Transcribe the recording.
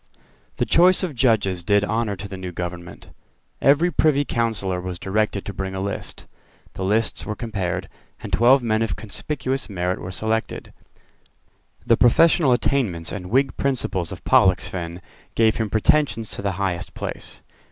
The choice of judges did honour to the new government. Every Privy Councillor was directed to bring a list. The lists were compared; and twelve men of conspicuous merit were selected. The professional attainments and Whig principles of Pollexfen gave him pretensions to the highest place.